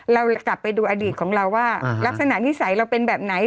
เรากลับไปดูอดีตของเราว่าลักษณะนิสัยเราเป็นแบบไหน